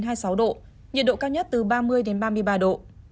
nhiệt độ cao nhất từ ba mươi ba mươi ba độ